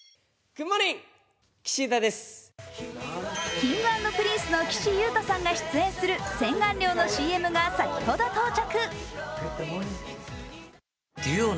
Ｋｉｎｇ＆Ｐｒｉｎｃｅの岸優太さんが出演する洗顔料のＣＭが先ほど到着。